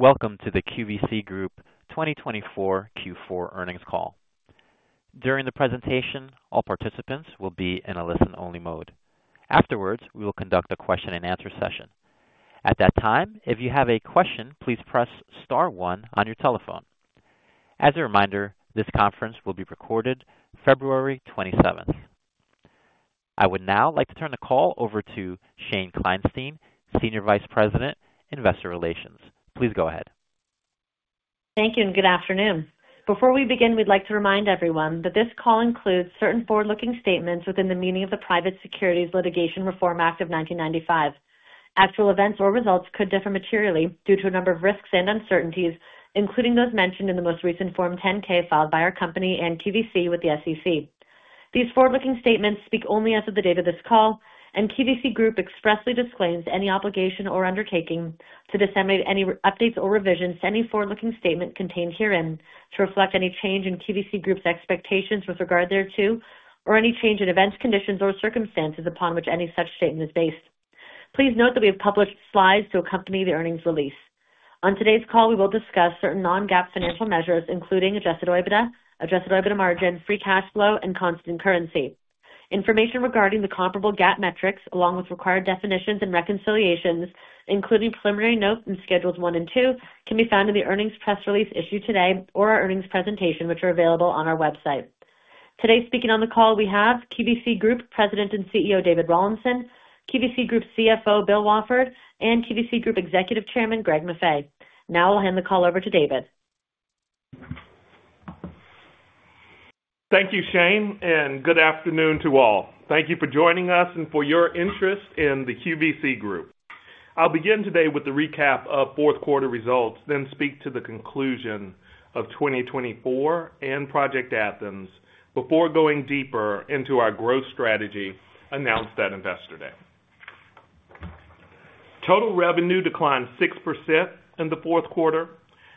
Welcome to the QVC Group 2024 Q4 earnings call. During the presentation, all participants will be in a listen-only mode. Afterwards, we will conduct a question-and-answer session. At that time, if you have a question, please press star one on your telephone. As a reminder, this conference will be recorded February 27th. I would now like to turn the call over to Shane Kleinstein, Senior Vice President, Investor Relations. Please go ahead. Thank you, and good afternoon. Before we begin, we'd like to remind everyone that this call includes certain forward-looking statements within the meaning of the Private Securities Litigation Reform Act of 1995. Actual events or results could differ materially due to a number of risks and uncertainties, including those mentioned in the most recent Form 10-K filed by our company and QVC with the SEC. These forward-looking statements speak only as of the date of this call, and QVC Group expressly disclaims any obligation or undertaking to disseminate any updates or revisions to any forward-looking statement contained herein to reflect any change in QVC Group's expectations with regard thereto, or any change in events, conditions, or circumstances upon which any such statement is based. Please note that we have published slides to accompany the earnings release. On today's call, we will discuss certain non-GAAP financial measures, including Adjusted EBITDA, Adjusted EBITDA margin, free cash flow, and constant currency. Information regarding the comparable GAAP metrics, along with required definitions and reconciliations, including preliminary notes in Schedules 1 and 2, can be found in the earnings press release issued today or our earnings presentation, which are available on our website. Today, speaking on the call, we have QVC Group President and CEO David Rawlinson, QVC Group CFO Bill Wafford, and QVC Group Executive Chairman Greg Maffei. Now I'll hand the call over to David. Thank you, Shane, and good afternoon to all. Thank you for joining us and for your interest in the QVC Group. I'll begin today with the recap of fourth quarter results, then speak to the conclusion of 2024 and Project Athens before going deeper into our growth strategy announced at Investor Day. Total revenue declined 6% in the fourth quarter.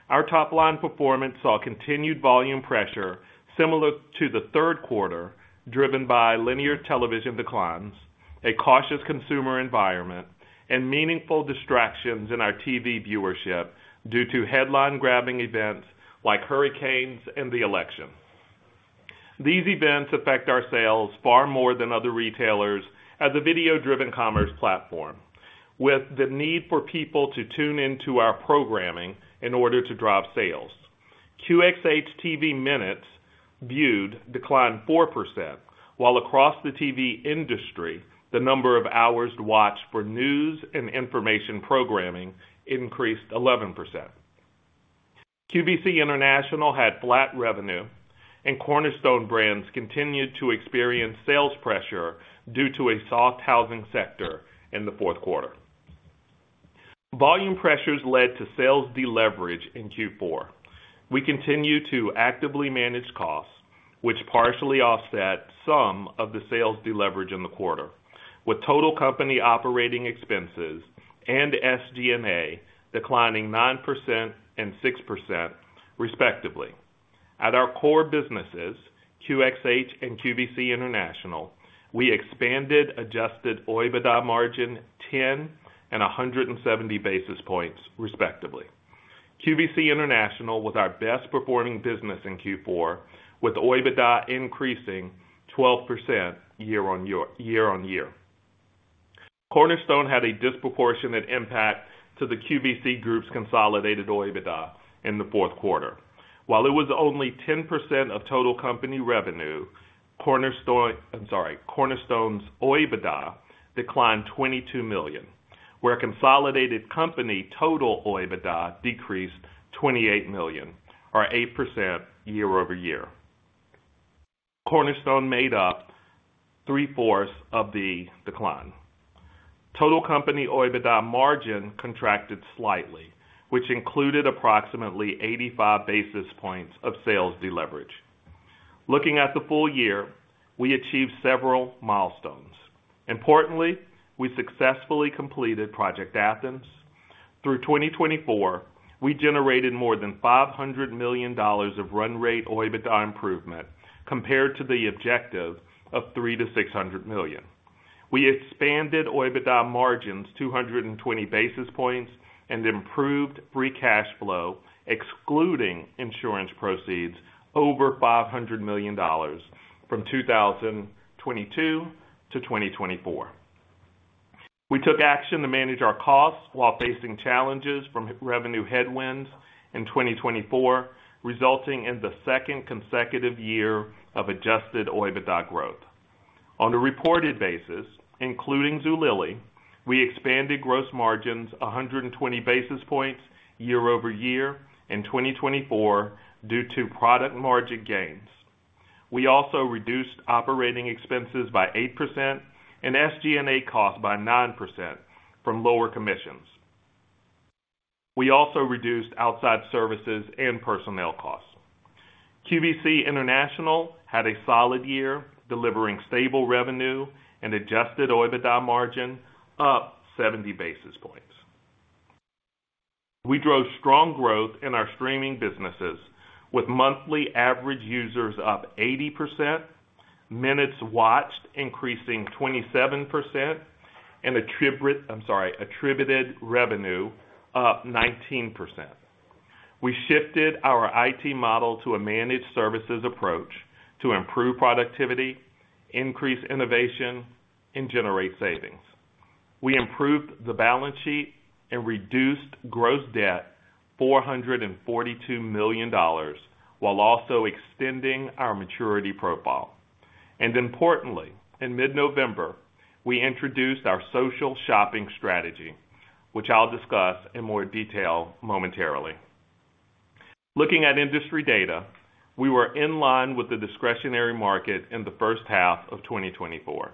Our top-line performance saw continued volume pressure similar to the third quarter, driven by linear television declines, a cautious consumer environment, and meaningful distractions in our TV viewership due to headline-grabbing events like hurricanes and the election. These events affect our sales far more than other retailers as a video-driven commerce platform, with the need for people to tune into our programming in order to drive sales. QXH TV minutes viewed declined 4%, while across the TV industry, the number of hours watched for news and information programming increased 11%. QVC International had flat revenue, and Cornerstone Brands continued to experience sales pressure due to a soft housing sector in the fourth quarter. Volume pressures led to sales deleverage in Q4. We continue to actively manage costs, which partially offset some of the sales deleverage in the quarter, with total company operating expenses and SG&A declining 9% and 6%, respectively. At our core businesses, QXH and QVC International, we expanded Adjusted EBITDA margin 10 and 170 basis points, respectively. QVC International was our best-performing business in Q4, with EBITDA increasing 12% year on year. Cornerstone Brands had a disproportionate impact to the QVC Group's consolidated EBITDA in the fourth quarter. While it was only 10% of total company revenue, Cornerstone's EBITDA declined $22 million, where consolidated company total EBITDA decreased $28 million, or 8% year over year. Cornerstone Brands made up three-fourths of the decline. Total company EBITDA margin contracted slightly, which included approximately 85 basis points of sales deleverage. Looking at the full year, we achieved several milestones. Importantly, we successfully completed Project Athens. Through 2024, we generated more than $500 million of run-rate EBITDA improvement compared to the objective of $300-$600 million. We expanded EBITDA margins 220 basis points and improved free cash flow, excluding insurance proceeds, over $500 million from 2022 to 2024. We took action to manage our costs while facing challenges from revenue headwinds in 2024, resulting in the second consecutive year of Adjusted EBITDA growth. On a reported basis, including Zulily, we expanded gross margins 120 basis points year over year in 2024 due to product margin gains. We also reduced operating expenses by 8% and SG&A costs by 9% from lower commissions. We also reduced outside services and personnel costs. QVC International had a solid year, delivering stable revenue and Adjusted EBITDA margin up 70 basis points. We drove strong growth in our streaming businesses, with monthly average users up 80%, minutes watched increasing 27%, and attributed revenue up 19%. We shifted our IT model to a managed services approach to improve productivity, increase innovation, and generate savings. We improved the balance sheet and reduced gross debt $442 million, while also extending our maturity profile. Importantly, in mid-November, we introduced our social shopping strategy, which I'll discuss in more detail momentarily. Looking at industry data, we were in line with the discretionary market in the first half of 2024.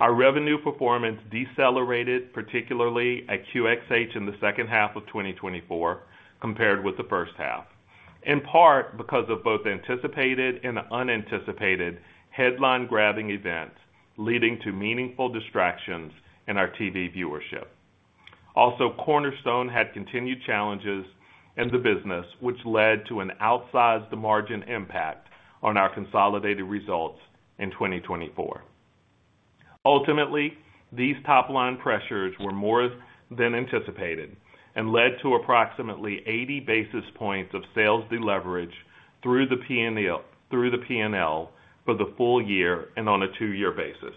Our revenue performance decelerated, particularly at QXH in the second half of 2024, compared with the first half, in part because of both anticipated and unanticipated headline-grabbing events leading to meaningful distractions in our TV viewership. Also, Cornerstone had continued challenges in the business, which led to an outsized margin impact on our consolidated results in 2024. Ultimately, these top-line pressures were more than anticipated and led to approximately 80 basis points of sales deleverage through the P&L for the full year and on a two-year basis.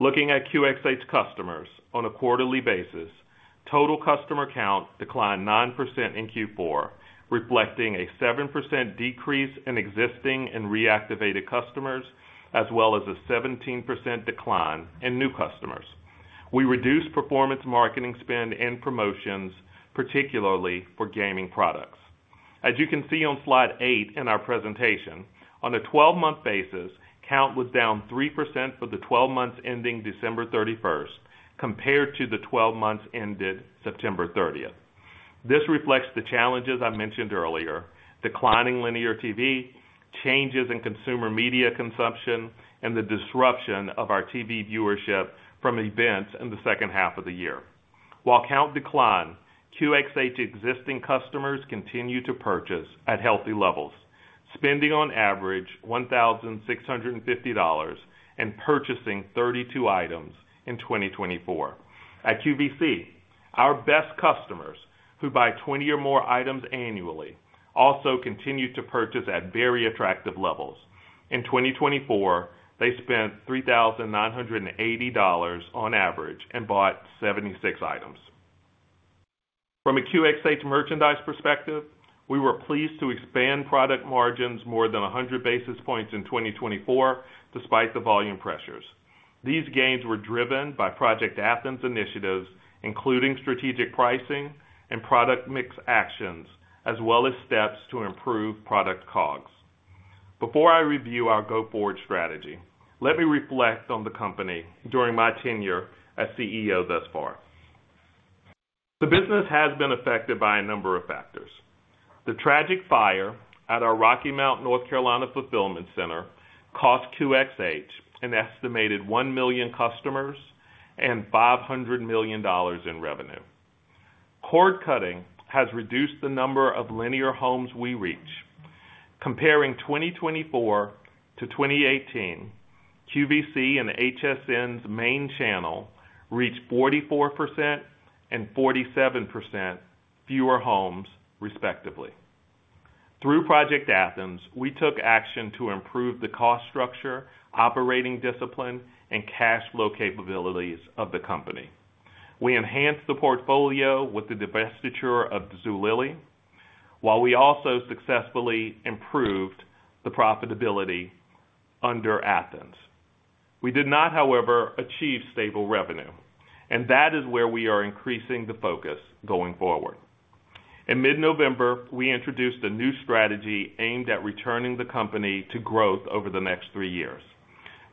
Looking at QXH customers on a quarterly basis, total customer count declined 9% in Q4, reflecting a 7% decrease in existing and reactivated customers, as well as a 17% decline in new customers. We reduced performance marketing spend and promotions, particularly for gaming products. As you can see on slide 8 in our presentation, on a 12-month basis, count was down 3% for the 12 months ending December 31 compared to the 12 months ended September 30. This reflects the challenges I mentioned earlier: declining linear TV, changes in consumer media consumption, and the disruption of our TV viewership from events in the second half of the year. While count declined, QXH existing customers continued to purchase at healthy levels, spending on average $1,650 and purchasing 32 items in 2024. At QVC, our best customers, who buy 20 or more items annually, also continued to purchase at very attractive levels. In 2024, they spent $3,980 on average and bought 76 items. From a QXH merchandise perspective, we were pleased to expand product margins more than 100 basis points in 2024, despite the volume pressures. These gains were driven by Project Athens initiatives, including strategic pricing and product mix actions, as well as steps to improve product COGS. Before I review our go-forward strategy, let me reflect on the company during my tenure as CEO thus far. The business has been affected by a number of factors. The tragic fire at our Rocky Mount, North Carolina, fulfillment center cost QXH an estimated 1 million customers and $500 million in revenue. Cord cutting has reduced the number of linear homes we reach. Comparing 2024-2018, QVC and HSN's main channel reached 44% and 47% fewer homes, respectively. Through Project Athens, we took action to improve the cost structure, operating discipline, and cash flow capabilities of the company. We enhanced the portfolio with the divestiture of Zulily, while we also successfully improved the profitability under Athens. We did not, however, achieve stable revenue, and that is where we are increasing the focus going forward. In mid-November, we introduced a new strategy aimed at returning the company to growth over the next three years.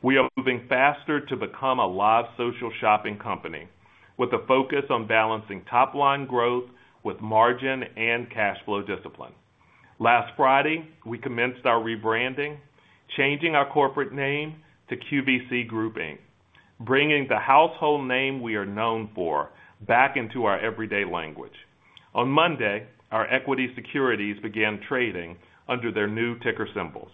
We are moving faster to become a live social shopping company, with a focus on balancing top-line growth with margin and cash flow discipline. Last Friday, we commenced our rebranding, changing our corporate name to QVC Group, bringing the household name we are known for back into our everyday language. On Monday, our equity securities began trading under their new ticker symbols.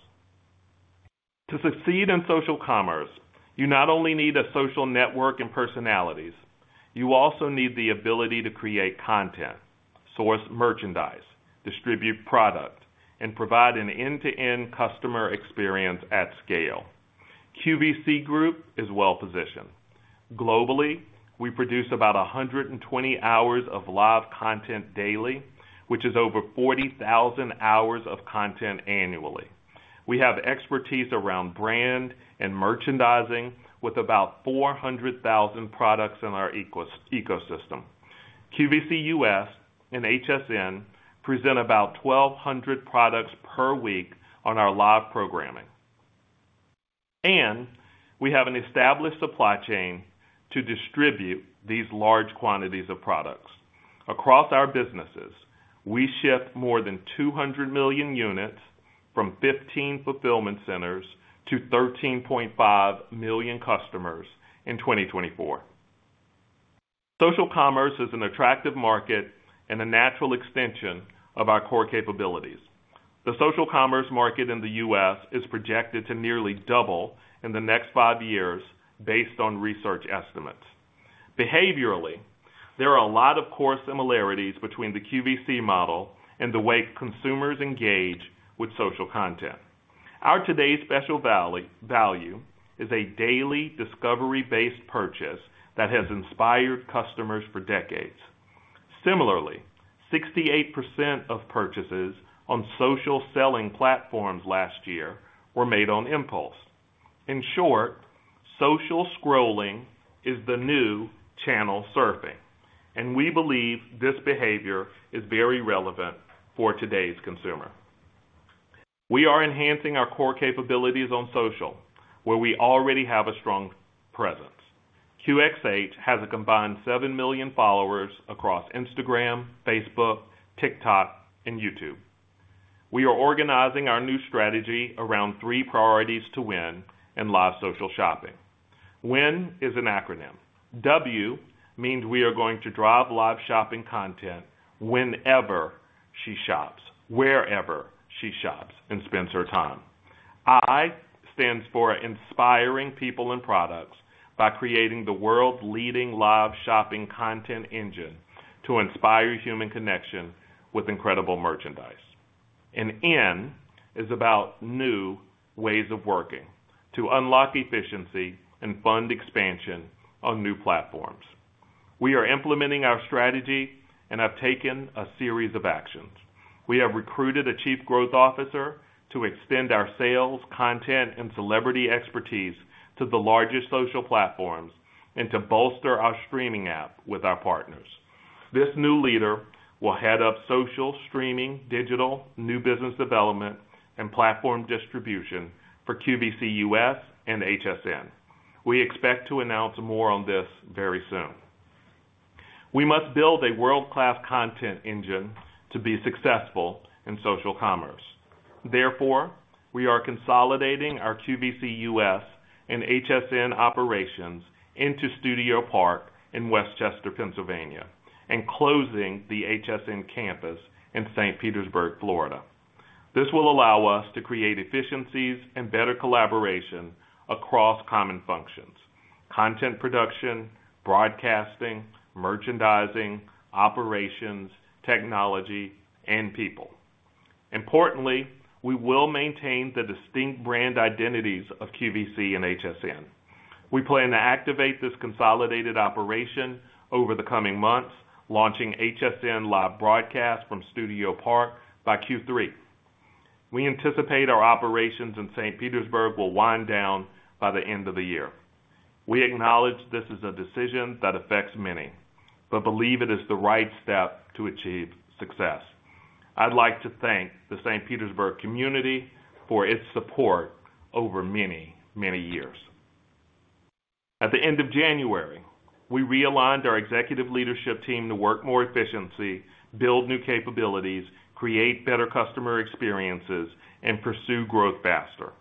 To succeed in social commerce, you not only need a social network and personalities; you also need the ability to create content, source merchandise, distribute product, and provide an end-to-end customer experience at scale. QVC Group is well-positioned. Globally, we produce about 120 hours of live content daily, which is over 40,000 hours of content annually. We have expertise around brand and merchandising, with about 400,000 products in our ecosystem. QVC US and HSN present about 1,200 products per week on our live programming. We have an established supply chain to distribute these large quantities of products. Across our businesses, we ship more than 200 million units from 15 fulfillment centers to 13.5 million customers in 2024. Social commerce is an attractive market and a natural extension of our core capabilities. The social commerce market in the U.S. is projected to nearly double in the next five years, based on research estimates. Behaviorally, there are a lot of core similarities between the QVC model and the way consumers engage with social content. Our today's special value is a daily discovery-based purchase that has inspired customers for decades. Similarly, 68% of purchases on social selling platforms last year were made on impulse. In short, social scrolling is the new channel surfing, and we believe this behavior is very relevant for today's consumer. We are enhancing our core capabilities on social, where we already have a strong presence. QXH has a combined 7 million followers across Instagram, Facebook, TikTok, and YouTube. We are organizing our new strategy around three priorities to win in live social shopping. WIN is an acronym. W means we are going to drive live shopping content whenever she shops, wherever she shops and spends her time. I stands for inspiring people and products by creating the world's leading live shopping content engine to inspire human connection with incredible merchandise. N is about new ways of working to unlock efficiency and fund expansion on new platforms. We are implementing our strategy and have taken a series of actions. We have recruited a Chief Growth Officer to extend our sales, content, and celebrity expertise to the largest social platforms and to bolster our streaming app with our partners. This new leader will head up social, streaming, digital, new business development, and platform distribution for QVC US and HSN. We expect to announce more on this very soon. We must build a world-class content engine to be successful in social commerce. Therefore, we are consolidating our QVC US and HSN operations into Studio Park in West Chester, Pennsylvania, and closing the HSN campus in St. Petersburg, Florida. This will allow us to create efficiencies and better collaboration across common functions: content production, broadcasting, merchandising, operations, technology, and people. Importantly, we will maintain the distinct brand identities of QVC and HSN. We plan to activate this consolidated operation over the coming months, launching HSN live broadcast from Studio Park by Q3. We anticipate our operations in St. Petersburg will wind down by the end of the year. We acknowledge this is a decision that affects many, but believe it is the right step to achieve success. I'd like to thank the St. Petersburg community for its support over many, many years. At the end of January, we realigned our executive leadership team to work more efficiently, build new capabilities, create better customer experiences, and pursue growth faster.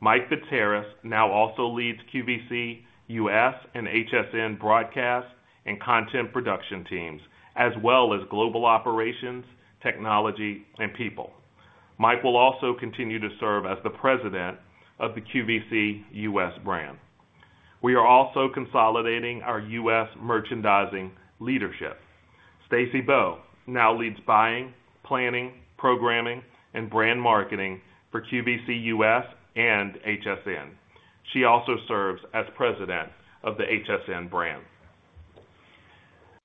Mike Fitzharris now also leads QVC US and HSN broadcast and content production teams, as well as global operations, technology, and people. Mike will also continue to serve as the President of the QVC US brand. We are also consolidating our US merchandising leadership. Stacy Bowe now leads buying, planning, programming, and brand marketing for QVC US and HSN. She also serves as President of the HSN brand.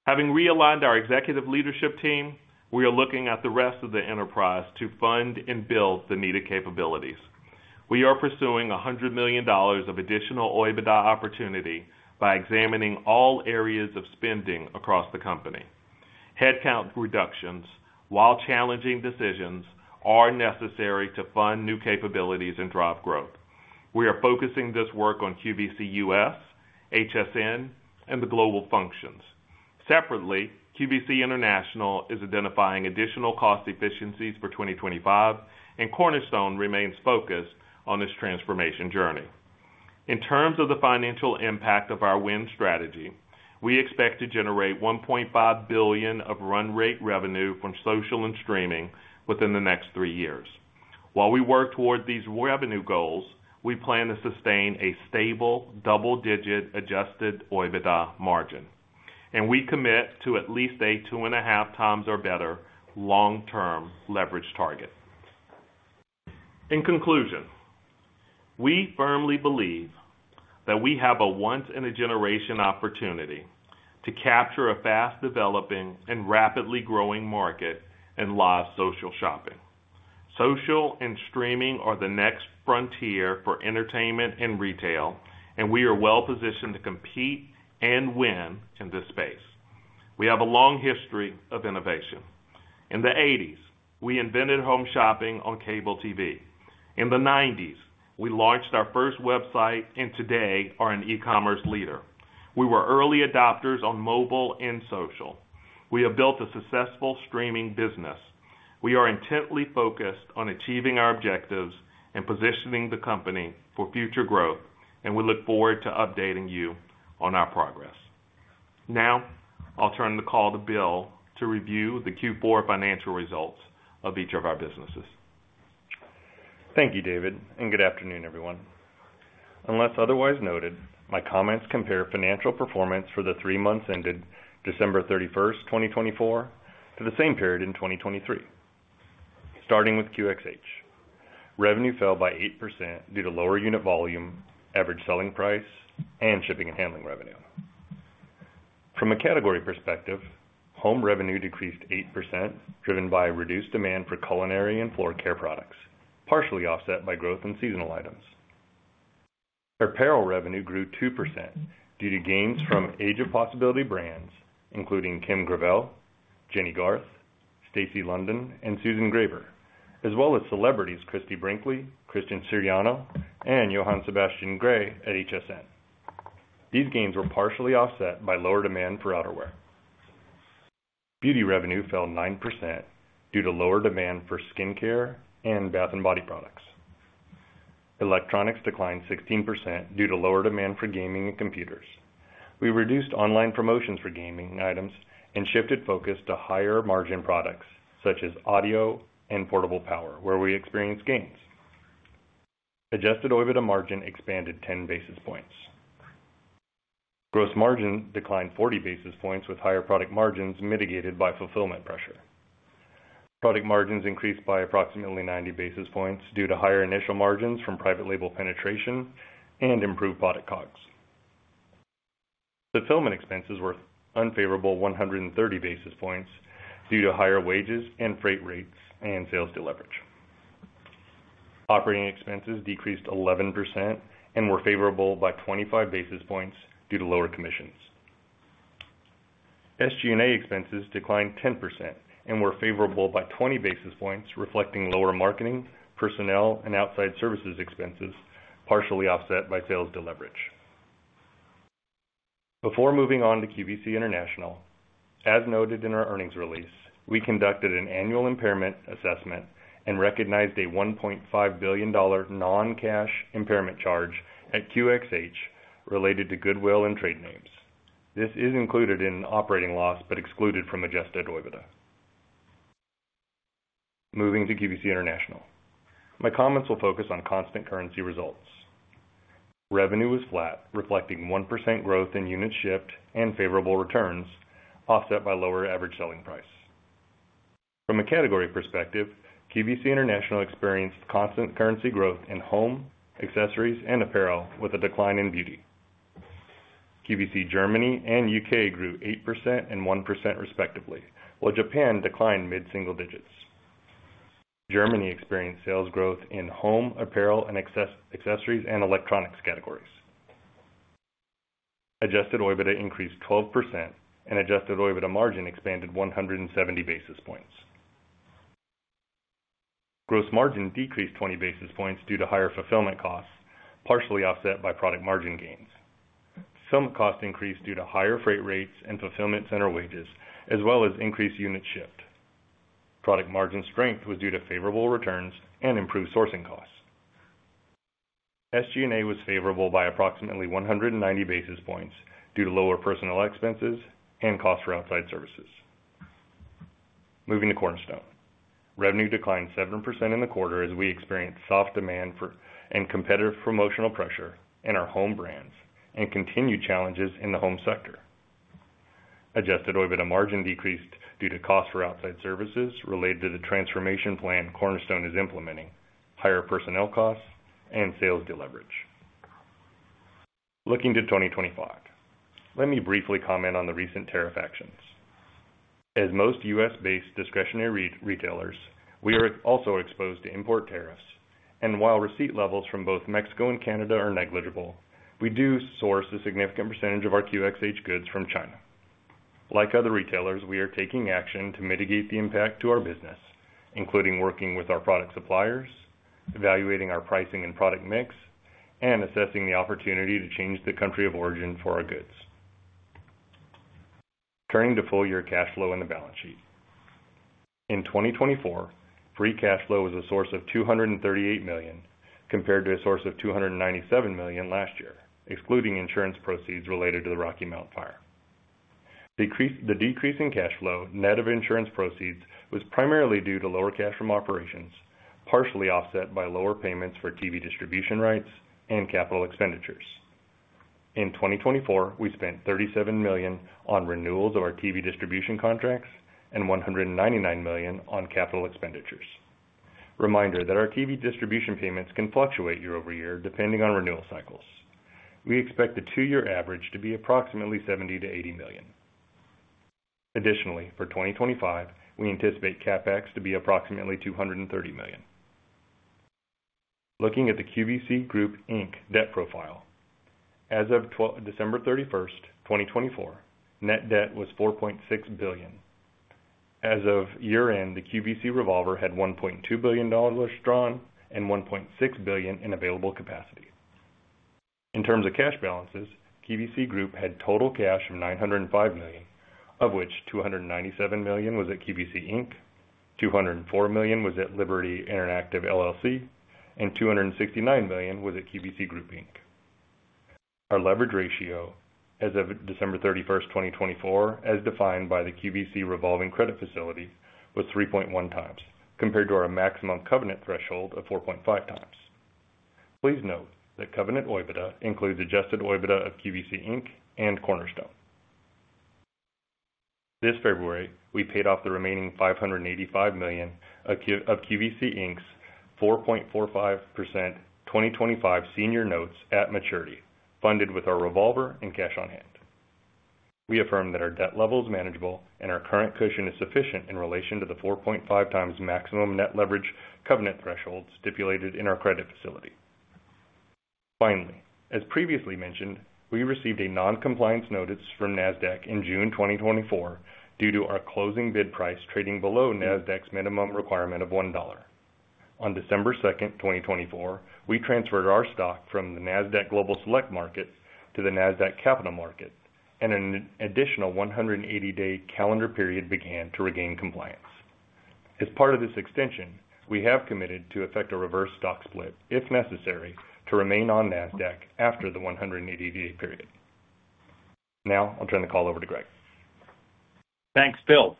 Having realigned our executive leadership team, we are looking at the rest of the enterprise to fund and build the needed capabilities. We are pursuing $100 million of additional OIBDA opportunity by examining all areas of spending across the company. Headcount reductions, while challenging decisions, are necessary to fund new capabilities and drive growth. We are focusing this work on QVC US, HSN, and the global functions. Separately, QVC International is identifying additional cost efficiencies for 2025, and Cornerstone remains focused on this transformation journey. In terms of the financial impact of our WIN strategy, we expect to generate $1.5 billion of run rate revenue from social and streaming within the next three years. While we work toward these revenue goals, we plan to sustain a stable double-digit adjusted OIBDA margin. We commit to at least a two-and-a-half times or better long-term leverage target. In conclusion, we firmly believe that we have a once-in-a-generation opportunity to capture a fast-developing and rapidly growing market in live social shopping. Social and streaming are the next frontier for entertainment and retail, and we are well-positioned to compete and win in this space. We have a long history of innovation. In the 1980s, we invented home shopping on cable TV. In the 1990s, we launched our first website, and today are an e-commerce leader. We were early adopters on mobile and social. We have built a successful streaming business. We are intently focused on achieving our objectives and positioning the company for future growth, and we look forward to updating you on our progress. Now, I'll turn the call to Bill to review the Q4 financial results of each of our businesses. Thank you, David, and good afternoon, everyone. Unless otherwise noted, my comments compare financial performance for the three months ended December 31, 2024, to the same period in 2023. Starting with QXH, revenue fell by 8% due to lower unit volume, average selling price, and shipping and handling revenue. From a category perspective, home revenue decreased 8%, driven by reduced demand for culinary and floor care products, partially offset by growth in seasonal items. Apparel revenue grew 2% due to gains from Age of Possibility brands, including Kim Gravel, Jenny Garth, Stacy London, and Susan Graver, as well as celebrities Christie Brinkley, Christian Siriano, and Jhoan Sebastian Grey at HSN. These gains were partially offset by lower demand for outerwear. Beauty revenue fell 9% due to lower demand for skincare and bath and body products. Electronics declined 16% due to lower demand for gaming and computers. We reduced online promotions for gaming items and shifted focus to higher margin products such as audio and portable power, where we experienced gains. Adjusted OIBDA margin expanded 10 basis points. Gross margin declined 40 basis points, with higher product margins mitigated by fulfillment pressure. Product margins increased by approximately 90 basis points due to higher initial margins from private label penetration and improved product COGS. Fulfillment expenses were unfavorable, 130 basis points due to higher wages and freight rates and sales deleverage. Operating expenses decreased 11% and were favorable by 25 basis points due to lower commissions. SG&A expenses declined 10% and were favorable by 20 basis points, reflecting lower marketing, personnel, and outside services expenses, partially offset by sales deleverage. Before moving on to QVC International, as noted in our earnings release, we conducted an annual impairment assessment and recognized a $1.5 billion non-cash impairment charge at QXH related to goodwill and trade names. This is included in operating loss but excluded from adjusted OIBDA. Moving to QVC International, my comments will focus on constant currency results. Revenue was flat, reflecting 1% growth in unit shipped and favorable returns, offset by lower average selling price. From a category perspective, QVC International experienced constant currency growth in home, accessories, and apparel, with a decline in beauty. QVC Germany and U.K. grew 8% and 1% respectively, while Japan declined mid-single digits. Germany experienced sales growth in home, apparel, and accessories and electronics categories. Adjusted OIBDA increased 12%, and adjusted OIBDA margin expanded 170 basis points. Gross margin decreased 20 basis points due to higher fulfillment costs, partially offset by product margin gains. Some cost increased due to higher freight rates and fulfillment center wages, as well as increased unit shipped. Product margin strength was due to favorable returns and improved sourcing costs. SG&A was favorable by approximately 190 basis points due to lower personnel expenses and costs for outside services. Moving to Cornerstone, revenue declined 7% in the quarter as we experienced soft demand and competitive promotional pressure in our home brands and continued challenges in the home sector. Adjusted OIBDA margin decreased due to costs for outside services related to the transformation plan Cornerstone is implementing, higher personnel costs, and sales deleverage. Looking to 2025, let me briefly comment on the recent tariff actions. As most US-based discretionary retailers, we are also exposed to import tariffs. While receipt levels from both Mexico and Canada are negligible, we do source a significant percentage of our QXH goods from China. Like other retailers, we are taking action to mitigate the impact to our business, including working with our product suppliers, evaluating our pricing and product mix, and assessing the opportunity to change the country of origin for our goods. Turning to full-year cash flow and the balance sheet. In 2024, free cash flow was a source of $238 million compared to a source of $297 million last year, excluding insurance proceeds related to the Rocky Mount Fire. The decrease in cash flow net of insurance proceeds was primarily due to lower cash from operations, partially offset by lower payments for TV distribution rights and capital expenditures. In 2024, we spent $37 million on renewals of our TV distribution contracts and $199 million on capital expenditures. Reminder that our TV distribution payments can fluctuate year over year depending on renewal cycles. We expect the two-year average to be approximately $70-$80 million. Additionally, for 2025, we anticipate CapEx to be approximately $230 million. Looking at the QVC Group debt profile, as of December 31, 2024, net debt was $4.6 billion. As of year-end, the QVC revolver had $1.2 billion withdrawn and $1.6 billion in available capacity. In terms of cash balances, QVC Group had total cash of $905 million, of which $297 million was at QVC, $204 million was at Liberty Interactive, and $269 million was at QVC Group. Our leverage ratio, as of December 31, 2024, as defined by the QVC revolving credit facility, was 3.1 times compared to our maximum covenant threshold of 4.5 times. Please note that covenant OIBDA includes adjusted OIBDA of QVC and Cornerstone. This February, we paid off the remaining $585 million of QVC's 4.45% 2025 senior notes at maturity, funded with our revolver and cash on hand. We affirm that our debt level is manageable and our current cushion is sufficient in relation to the 4.5 times maximum net leverage covenant threshold stipulated in our credit facility. Finally, as previously mentioned, we received a non-compliance notice from NASDAQ in June 2024 due to our closing bid price trading below NASDAQ's minimum requirement of $1. On December 2, 2024, we transferred our stock from the NASDAQ Global Select Market to the NASDAQ Capital Market, and an additional 180-day calendar period began to regain compliance. As part of this extension, we have committed to effect a reverse stock split, if necessary, to remain on NASDAQ after the 180-day period. Now, I'll turn the call over to Greg. Thanks, Bill.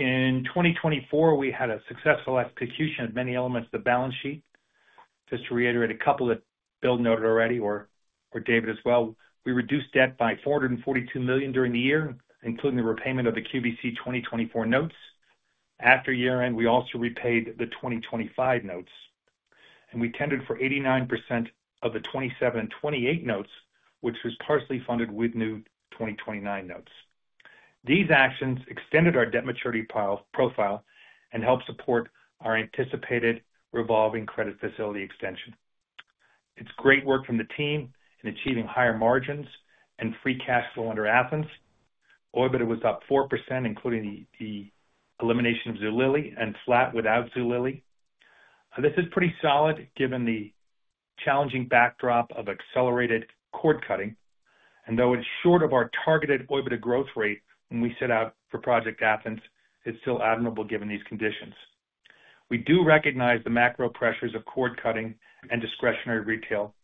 In 2024, we had a successful execution of many elements of the balance sheet. Just to reiterate a couple that Bill noted already, or David as well, we reduced debt by $442 million during the year, including the repayment of the QVC 2024 notes. After year-end, we also repaid the 2025 notes. We tendered for 89% of the 2027 and 2028 notes, which was partially funded with new 2029 notes. These actions extended our debt maturity profile and helped support our anticipated revolving credit facility extension. It is great work from the team in achieving higher margins and free cash flow under Project Athens. OIBDA was up 4%, including the elimination of Zulily, and flat without Zulily. This is pretty solid given the challenging backdrop of accelerated cord cutting. Though it is short of our targeted OIBDA growth rate when we set out for Project Athens, it is still admirable given these conditions. We do recognize the macro pressures of cord cutting and discretionary retail.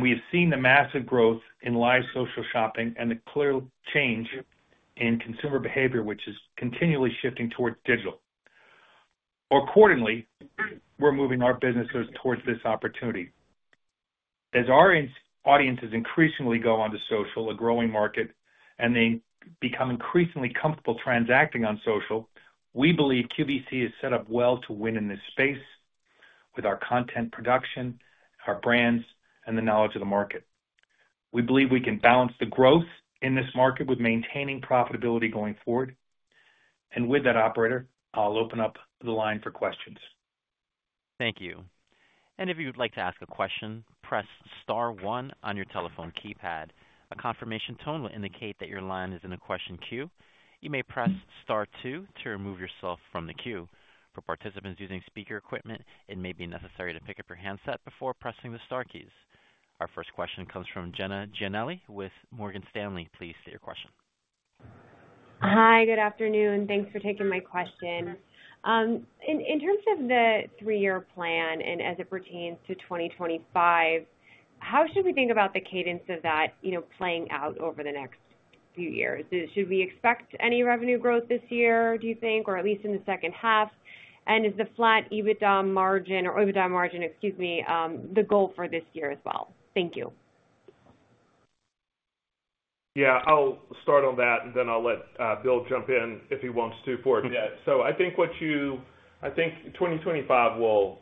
We have seen the massive growth in live social shopping and the clear change in consumer behavior, which is continually shifting towards digital. Accordingly, we are moving our businesses towards this opportunity. As our audiences increasingly go onto social, a growing market, and they become increasingly comfortable transacting on social, we believe QVC is set up well to win in this space with our content production, our brands, and the knowledge of the market. We believe we can balance the growth in this market with maintaining profitability going forward. With that, Operator, I'll open up the line for questions. Thank you. If you'd like to ask a question, press Star 1 on your telephone keypad. A confirmation tone will indicate that your line is in a question queue. You may press Star 2 to remove yourself from the queue. For participants using speaker equipment, it may be necessary to pick up your handset before pressing the Star keys. Our first question comes from Jenna Giannelli with Morgan Stanley. Please state your question. Hi, good afternoon. Thanks for taking my question. In terms of the three-year plan and as it pertains to 2025, how should we think about the cadence of that playing out over the next few years? Should we expect any revenue growth this year, do you think, or at least in the second half? Is the flat EBITDA margin or OIBDA margin, excuse me, the goal for this year as well? Thank you. Yeah, I'll start on that, and then I'll let Bill jump in if he wants to for it yet. I think 2025 will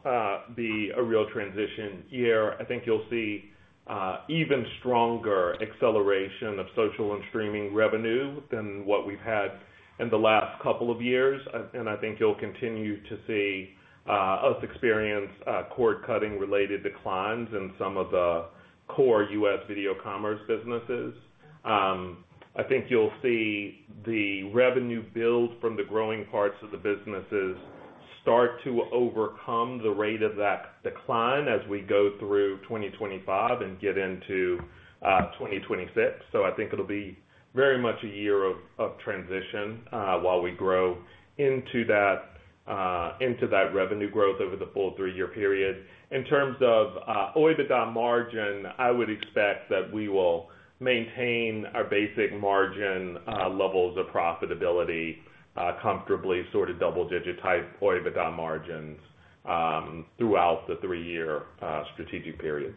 be a real transition year. I think you'll see even stronger acceleration of social and streaming revenue than what we've had in the last couple of years. I think you'll continue to see us experience cord cutting-related declines in some of the core US video commerce businesses. I think you'll see the revenue build from the growing parts of the businesses start to overcome the rate of that decline as we go through 2025 and get into 2026. I think it'll be very much a year of transition while we grow into that revenue growth over the full three-year period. In terms of OIBDA margin, I would expect that we will maintain our basic margin levels of profitability, comfortably sort of double-digit type OIBDA margins throughout the three-year strategic period.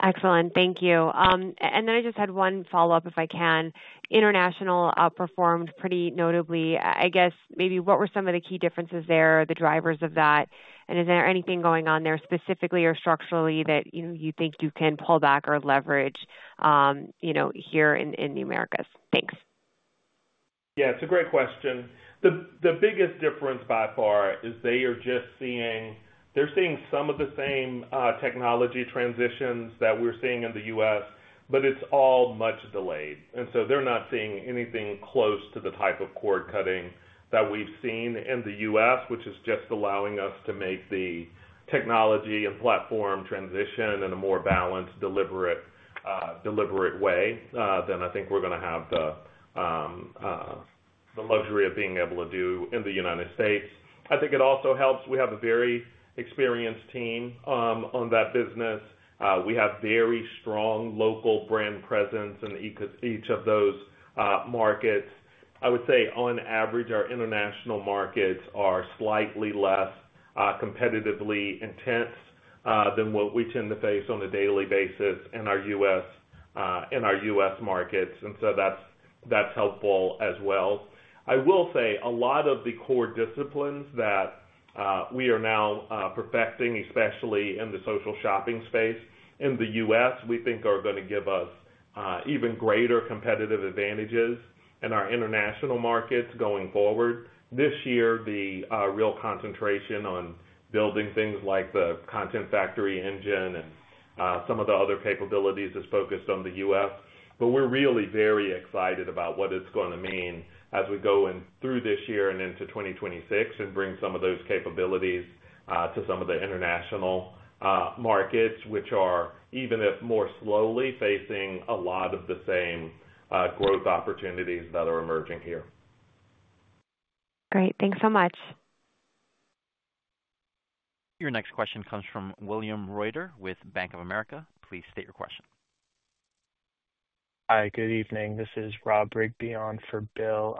Excellent. Thank you. I just had one follow-up, if I can. International outperformed pretty notably. I guess maybe what were some of the key differences there, the drivers of that? Is there anything going on there specifically or structurally that you think you can pull back or leverage here in the Americas? Thanks. Yeah, it's a great question. The biggest difference by far is they are just seeing they're seeing some of the same technology transitions that we're seeing in the U.S., but it's all much delayed. They are not seeing anything close to the type of cord cutting that we've seen in the U.S., which is just allowing us to make the technology and platform transition in a more balanced, deliberate way than I think we're going to have the luxury of being able to do in the United States. I think it also helps we have a very experienced team on that business. We have very strong local brand presence in each of those markets. I would say, on average, our international markets are slightly less competitively intense than what we tend to face on a daily basis in our U.S. markets. That is helpful as well. I will say a lot of the core disciplines that we are now perfecting, especially in the social shopping space in the U.S., we think are going to give us even greater competitive advantages in our international markets going forward. This year, the real concentration on building things like the Content Factory Engine and some of the other capabilities is focused on the U.S. We are really very excited about what it's going to mean as we go through this year and into 2026 and bring some of those capabilities to some of the international markets, which are, even if more slowly, facing a lot of the same growth opportunities that are emerging here. Great. Thanks so much. Your next question comes from William Reuter with Bank of America. Please state your question. Hi, good evening. This is Rob Rigby on for Bill.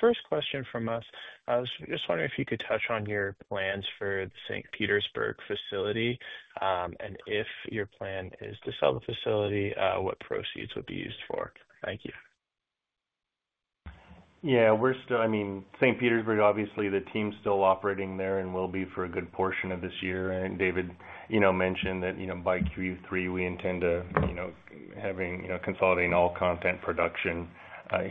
First question from us, I was just wondering if you could touch on your plans for the St. Petersburg facility and if your plan is to sell the facility, what proceeds would be used for. Thank you. Yeah, we're still, I mean, St. Petersburg, obviously, the team's still operating there and will be for a good portion of this year. David mentioned that by Q3, we intend to have consolidating all content production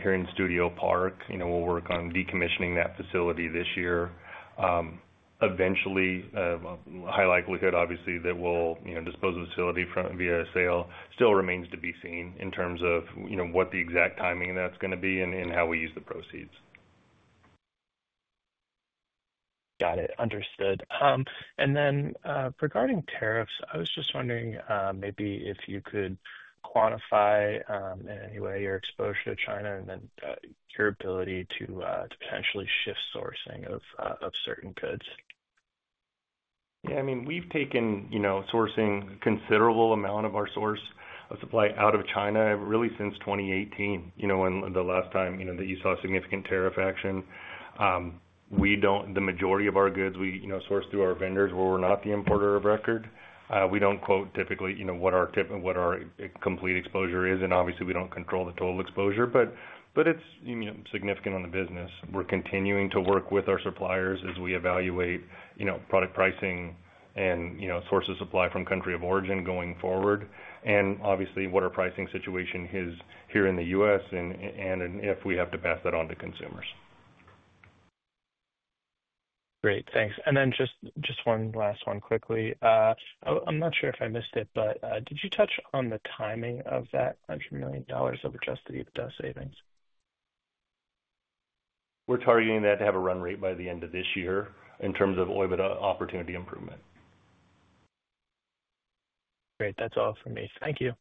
here in Studio Park. We'll work on decommissioning that facility this year. Eventually, high likelihood, obviously, that we'll dispose of the facility via a sale still remains to be seen in terms of what the exact timing of that's going to be and how we use the proceeds. Got it. Understood. Regarding tariffs, I was just wondering maybe if you could quantify in any way your exposure to China and then your ability to potentially shift sourcing of certain goods. Yeah, I mean, we've taken sourcing a considerable amount of our source of supply out of China really since 2018, when the last time that you saw significant tariff action. The majority of our goods, we source through our vendors where we're not the importer of record. We don't quote typically what our complete exposure is. Obviously, we don't control the total exposure, but it's significant on the business. We're continuing to work with our suppliers as we evaluate product pricing and source of supply from country of origin going forward. Obviously, what our pricing situation is here in the U.S. and if we have to pass that on to consumers. Great. Thanks. Just one last one quickly. I'm not sure if I missed it, but did you touch on the timing of that $100 million of Adjusted EBITDA savings? We're targeting that to have a run rate by the end of this year in terms of OIBDA opportunity improvement. Great. That's all for me. Thank you.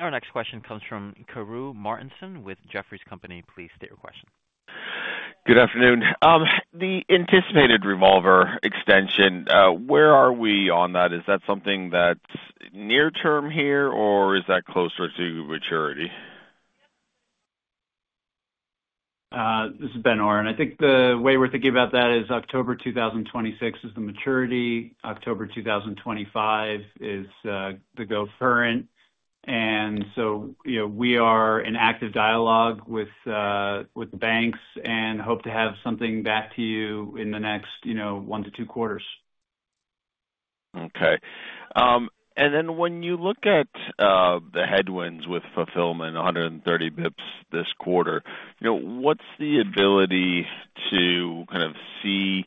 Our next question comes from Karru Martinson with Jefferies. Please state your question. Good afternoon. The anticipated revolver extension, where are we on that? Is that something that's near-term here, or is that closer to maturity? This is Ben Oren. I think the way we're thinking about that is October 2026 is the maturity. October 2025 is the go current. We are in active dialogue with the banks and hope to have something back to you in the next one to two quarters. Okay. When you look at the headwinds with fulfillment, 130 basis points this quarter, what's the ability to kind of see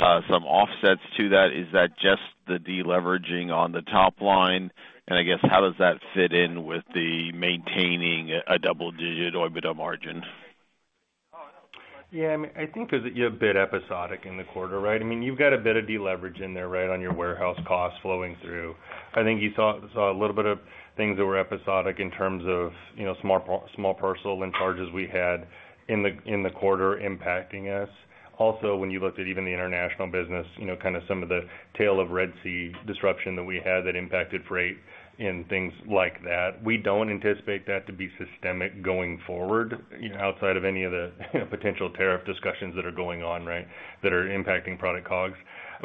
some offsets to that? Is that just the deleveraging on the top line? I guess, how does that fit in with maintaining a double-digit OIBDA margin? Yeah, I mean, I think you're a bit episodic in the quarter, right? I mean, you've got a bit of deleverage in there, right, on your warehouse costs flowing through. I think you saw a little bit of things that were episodic in terms of small parcel and charges we had in the quarter impacting us. Also, when you looked at even the international business, kind of some of the tail of Red Sea disruption that we had that impacted freight and things like that, we do not anticipate that to be systemic going forward outside of any of the potential tariff discussions that are going on, right, that are impacting product COGS.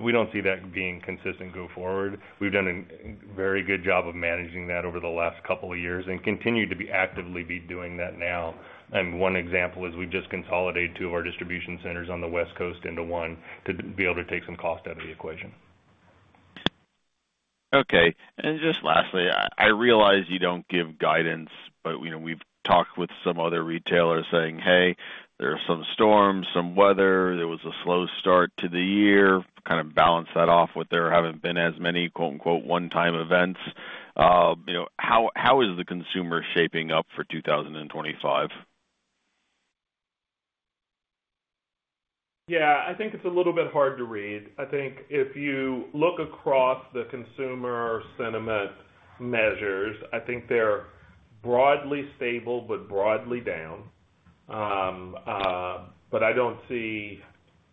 We do not see that being consistent go forward. We have done a very good job of managing that over the last couple of years and continue to actively be doing that now. One example is we have just consolidated two of our distribution centers on the West Coast into one to be able to take some cost out of the equation. Okay. Just lastly, I realize you do not give guidance, but we have talked with some other retailers saying, hey, there are some storms, some weather. There was a slow start to the year. Kind of balance that off with there having been as many one-time events. How is the consumer shaping up for 2025? Yeah, I think it's a little bit hard to read. I think if you look across the consumer sentiment measures, I think they're broadly stable but broadly down. I don't see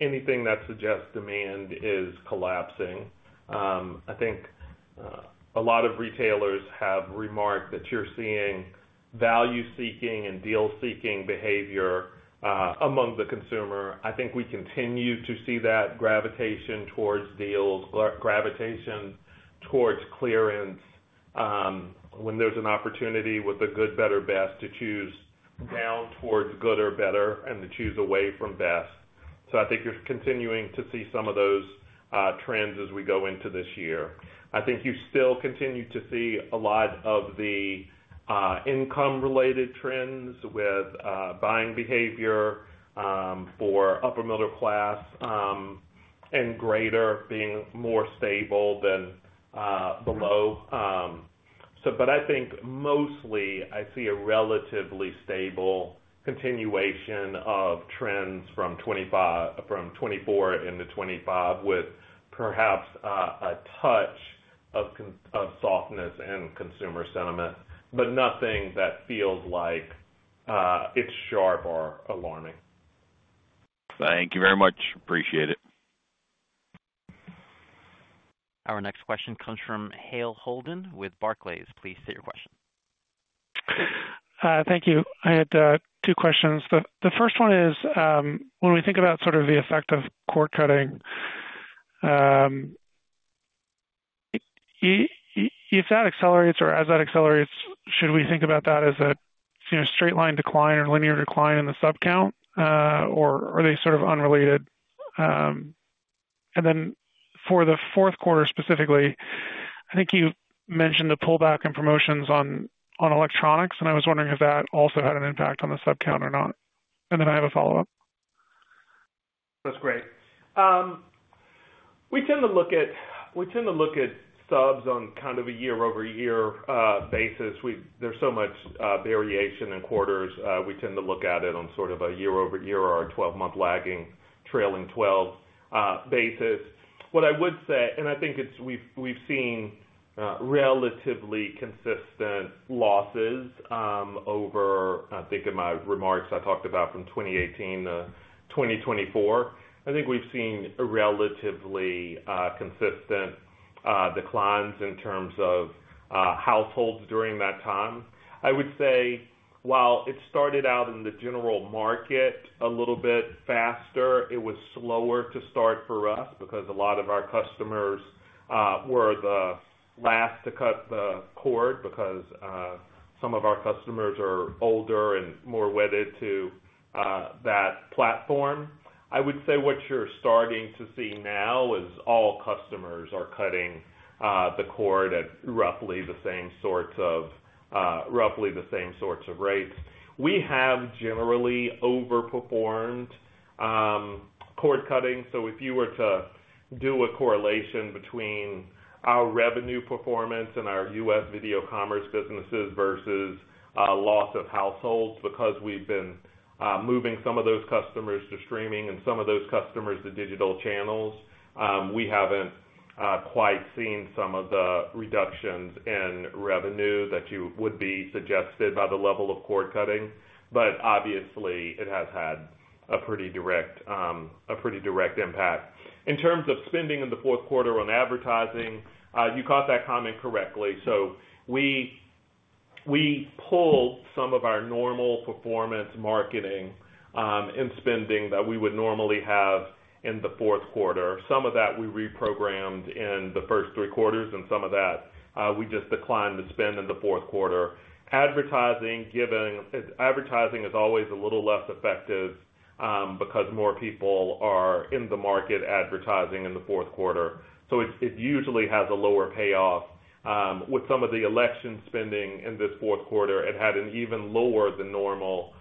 anything that suggests demand is collapsing. I think a lot of retailers have remarked that you're seeing value-seeking and deal-seeking behavior among the consumer. I think we continue to see that gravitation towards deals, gravitation towards clearance when there's an opportunity with a good, better, best to choose down towards good or better and to choose away from best. I think you're continuing to see some of those trends as we go into this year. I think you still continue to see a lot of the income-related trends with buying behavior for upper-middle class and greater being more stable than below. I think mostly, I see a relatively stable continuation of trends from 2024 into 2025 with perhaps a touch of softness in consumer sentiment, but nothing that feels like it's sharp or alarming. Thank you very much. Appreciate it. Our next question comes from Hale Holden with Barclays. Please state your question. Thank you. I had two questions. The first one is, when we think about sort of the effect of cord cutting, if that accelerates or as that accelerates, should we think about that as a straight-line decline or linear decline in the subcount, or are they sort of unrelated? For the fourth quarter specifically, I think you mentioned the pullback in promotions on electronics, and I was wondering if that also had an impact on the subcount or not. I have a follow-up. That's great. We tend to look at subs on kind of a year-over-year basis. There's so much variation in quarters. We tend to look at it on sort of a year-over-year or a 12-month lagging trailing 12 basis. What I would say, and I think we've seen relatively consistent losses over, I think, in my remarks I talked about from 2018-2024. I think we've seen relatively consistent declines in terms of households during that time. I would say, while it started out in the general market a little bit faster, it was slower to start for us because a lot of our customers were the last to cut the cord because some of our customers are older and more wedded to that platform. I would say what you're starting to see now is all customers are cutting the cord at roughly the same sorts of rates. We have generally overperformed cord cutting. If you were to do a correlation between our revenue performance and our U.S. video commerce businesses versus loss of households because we've been moving some of those customers to streaming and some of those customers to digital channels, we haven't quite seen some of the reductions in revenue that you would be suggested by the level of cord cutting. Obviously, it has had a pretty direct impact. In terms of spending in the fourth quarter on advertising, you caught that comment correctly. We pulled some of our normal performance marketing and spending that we would normally have in the fourth quarter. Some of that we reprogrammed in the first three quarters, and some of that we just declined to spend in the fourth quarter. Advertising is always a little less effective because more people are in the market advertising in the fourth quarter. It usually has a lower payoff. With some of the election spending in this fourth quarter, it had an even lower than normal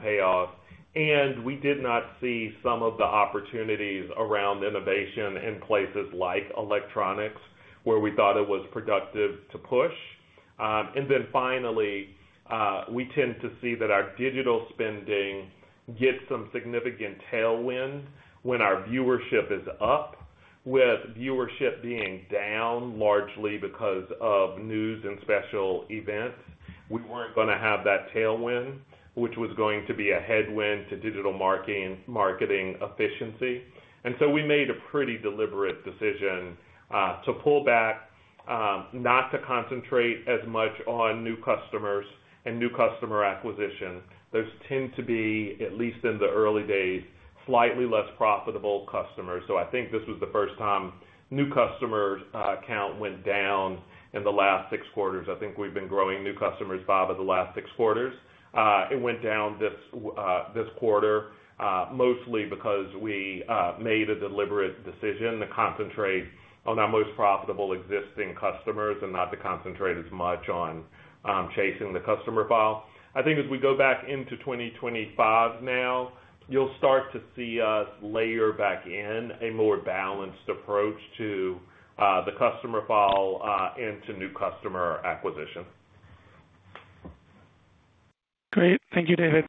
payoff. We did not see some of the opportunities around innovation in places like electronics where we thought it was productive to push. Finally, we tend to see that our digital spending gets some significant tailwind when our viewership is up, with viewership being down largely because of news and special events. We were not going to have that tailwind, which was going to be a headwind to digital marketing efficiency. We made a pretty deliberate decision to pull back, not to concentrate as much on new customers and new customer acquisition. Those tend to be, at least in the early days, slightly less profitable customers. I think this was the first time new customer count went down in the last six quarters. I think we have been growing new customers over the last six quarters. It went down this quarter mostly because we made a deliberate decision to concentrate on our most profitable existing customers and not to concentrate as much on chasing the customer file. I think as we go back into 2025 now, you'll start to see us layer back in a more balanced approach to the customer file into new customer acquisition. Great. Thank you, David.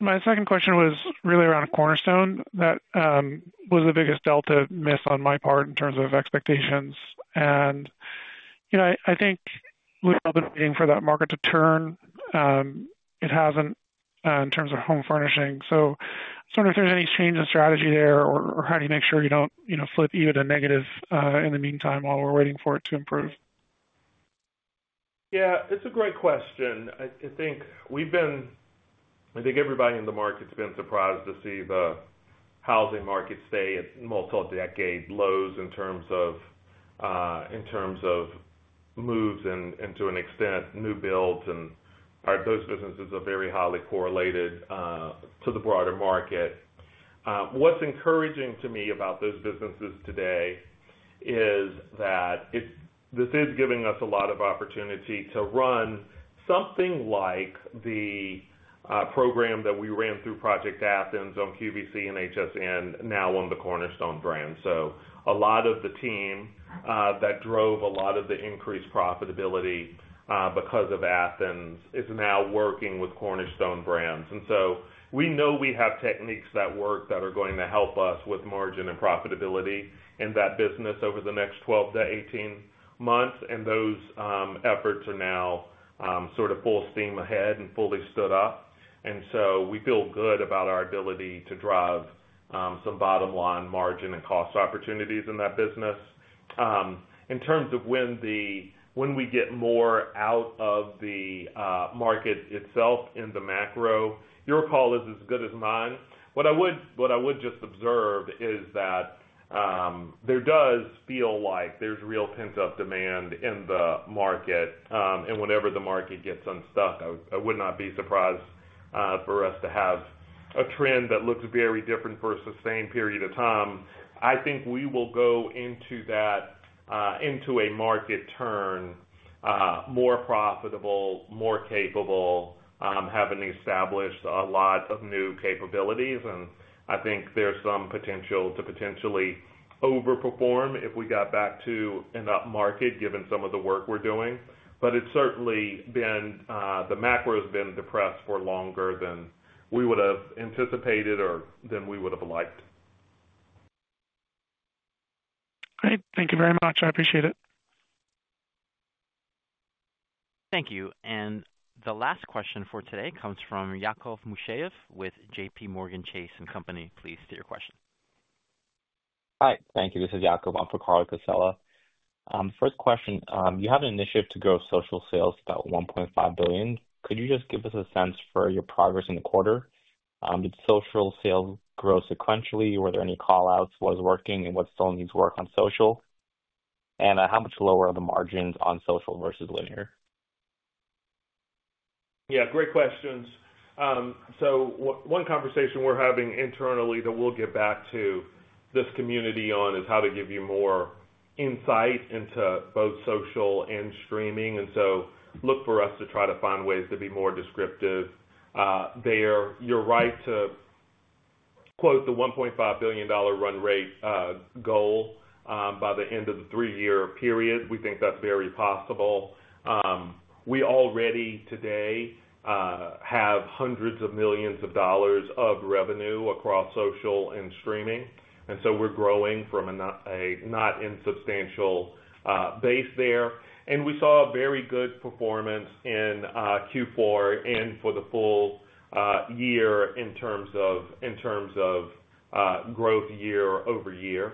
My second question was really around Cornerstone. That was the biggest delta miss on my part in terms of expectations. I think we've all been waiting for that market to turn. It hasn't in terms of home furnishing. I was wondering if there's any change in strategy there, or how do you make sure you don't flip even a negative in the meantime while we're waiting for it to improve? Yeah, it's a great question. I think everybody in the market's been surprised to see the housing market stay at multiple decade lows in terms of moves and to an extent new builds. Those businesses are very highly correlated to the broader market. What's encouraging to me about those businesses today is that this is giving us a lot of opportunity to run something like the program that we ran through Project Athens on QVC and HSN now on the Cornerstone brand. A lot of the team that drove a lot of the increased profitability because of Athens is now working with Cornerstone Brands. We know we have techniques that work that are going to help us with margin and profitability in that business over the next 12-18 months. Those efforts are now sort of full steam ahead and fully stood up. We feel good about our ability to drive some bottom-line margin and cost opportunities in that business. In terms of when we get more out of the market itself in the macro, your call is as good as mine. What I would just observe is that there does feel like there's real pent-up demand in the market. Whenever the market gets unstuck, I would not be surprised for us to have a trend that looks very different for a sustained period of time. I think we will go into a market turn more profitable, more capable, having established a lot of new capabilities. I think there's some potential to potentially overperform if we got back to an upmarket given some of the work we're doing. It has certainly been the macro has been depressed for longer than we would have anticipated or than we would have liked. All right. Thank you very much. I appreciate it. Thank you. The last question for today comes from Yaakov Musheyev with JPMorgan Chase and Company. Please state your question. Hi. Thank you. This is Yaakov on for Carla Casella. First question, you have an initiative to grow social sales about $1.5 billion. Could you just give us a sense for your progress in the quarter? Did social sales grow sequentially? Were there any callouts? What is working and what still needs work on social? And how much lower are the margins on social versus linear? Great questions. One conversation we're having internally that we'll get back to this community on is how to give you more insight into both social and streaming. Look for us to try to find ways to be more descriptive there. You're right to quote the $1.5 billion run rate goal by the end of the three-year period. We think that's very possible. We already today have hundreds of millions of dollars of revenue across social and streaming. We are growing from a not insubstantial base there. We saw very good performance in Q4 and for the full year in terms of growth year over year.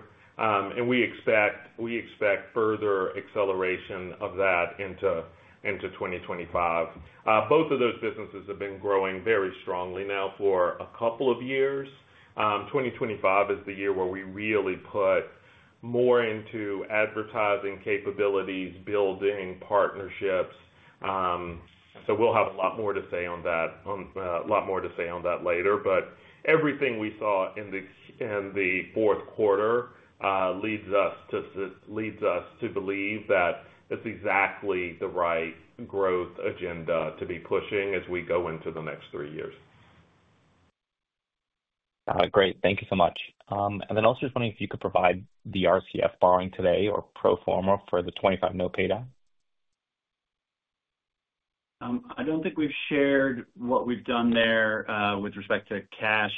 We expect further acceleration of that into 2025. Both of those businesses have been growing very strongly now for a couple of years. 2025 is the year where we really put more into advertising capabilities, building partnerships. We will have a lot more to say on that, a lot more to say on that later. Everything we saw in the fourth quarter leads us to believe that it is exactly the right growth agenda to be pushing as we go into the next three years. Great. Thank you so much. Also just wondering if you could provide the RCF borrowing today or pro forma for the 2025 note payoff. I do not think we have shared what we have done there with respect to cash.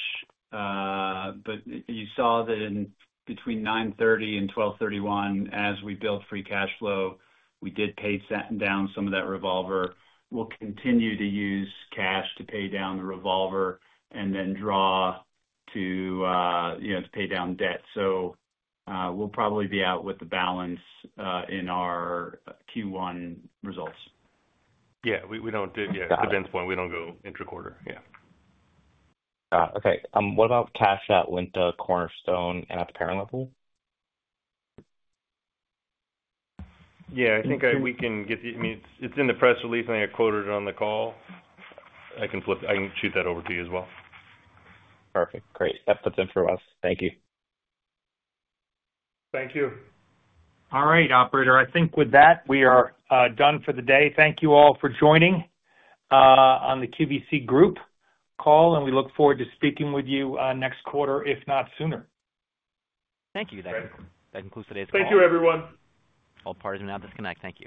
You saw that between 9:30 and 12:31, as we built free cash flow, we did pay down some of that revolver. We will continue to use cash to pay down the revolver and then draw to pay down debt. We will probably be out with the balance in our Q1 results. Yeah. We do not do it yet. To Ben's point, we do not go intra-quarter. Yeah. Okay. What about cash at LINTA, Cornerstone, and at the parent level? Yeah. I think we can get the—I mean, it is in the press release. I quoted it on the call. I can shoot that over to you as well. Perfect. Great. That puts it in for us. Thank you. Thank you. All right, operator. I think with that, we are done for the day. Thank you all for joining on the QVC Group call. We look forward to speaking with you next quarter, if not sooner. Thank you, David. That concludes today's call. Thank you, everyone. All parties will now disconnect. Thank you.